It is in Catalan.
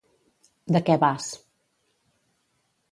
De què vas.